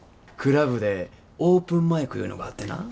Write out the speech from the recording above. クラブでオープンマイクいうのがあってな。